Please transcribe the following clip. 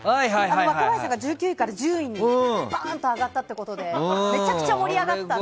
若林さんが１９位から１０位に上がったってことでめちゃくちゃ盛り上がった。